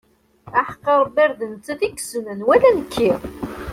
Aḥeqq Rebbi ar d nettat i yessnen wala nekki.